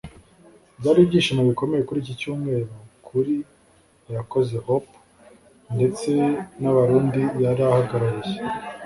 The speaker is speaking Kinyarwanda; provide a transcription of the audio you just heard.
Byari ibyishimo bikomeye kuri iki cyumweru kuri Irakoze Hope ndetse n’abarundi yari ahagarariye